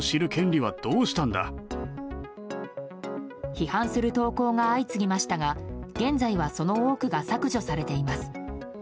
批判する投稿が相次ぎましたが現在は、その多くが削除されています。